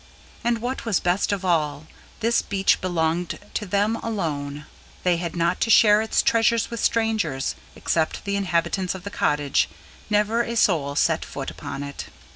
And, what was best of all, this beach belonged to them alone; they had not to share its treasures with strangers; except the inhabitants of the cottage, never a soul set foot upon it.